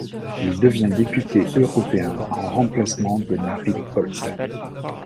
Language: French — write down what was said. Il devient député européen le en remplacement de Marit Paulsen.